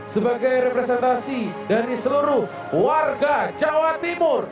sebagai representasi dari seluruh warga jawa timur